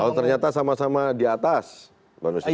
kalau ternyata sama sama di atas pak nusirwan